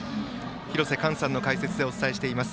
廣瀬寛さんの解説でお伝えしています。